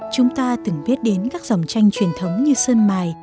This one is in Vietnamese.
chúng ta từng biết đến các dòng tranh truyền thống như sơn mài